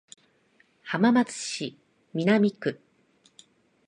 浜松市南区